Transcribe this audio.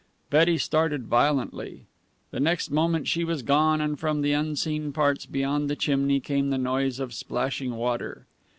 Betty started violently. The next moment she was gone, and from the unseen parts beyond the chimney came the noise of splashing water.